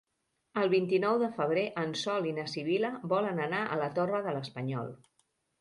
El vint-i-nou de febrer en Sol i na Sibil·la volen anar a la Torre de l'Espanyol.